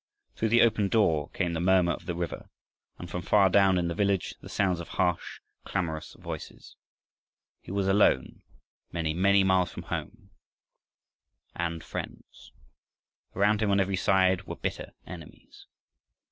Through the open door came the murmur of the river, and from far down in the village the sounds of harsh, clamorous voices. He was alone, many, many miles from home and friends. Around him on every side were bitter enemies.